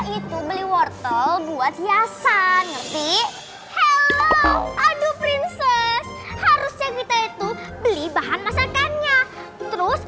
itu beli wortel buat hiasan ngerti halo adu princes harusnya kita itu beli bahan masakannya terus